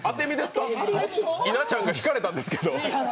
稲ちゃんがひかれたんですけど。